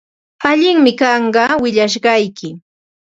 Allinmi kanqa willashqaykim.